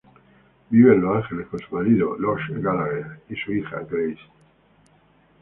Vive en Los Ángeles con su marido, Loch Gallagher, y su hija, Grace.